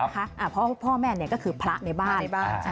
เพราะพ่อแม่ก็คือพระในบ้าน